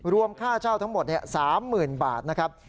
ค่าเช่าทั้งหมด๓๐๐๐บาทนะครับ